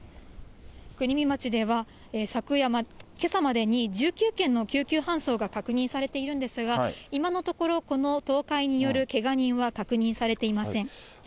国見町では、けさまでに１９件の救急搬送が確認されているんですが、今のところ、この倒壊によるけが人は確認されていません。